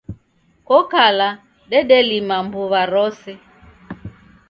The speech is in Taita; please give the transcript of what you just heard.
Kokala dedelima mbuw'a rose